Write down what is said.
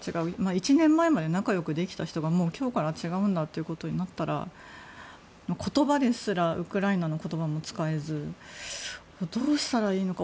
１年前まで仲良くできた人が、今日から違うんだということになったら言葉ですらウクライナの言葉も使えずどうしたらいいのか。